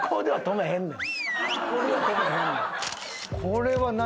これは何？